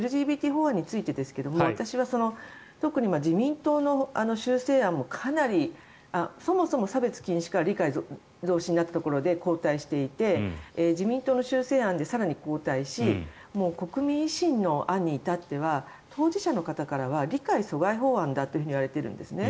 法案についてですが私は特に自民党の修正案もそもそも差別禁止から理解増進になったところで後退していて自民党の修正案で更に後退し国民・維新の案に至っては当事者の方からは理解阻害法案だといわれているんですね。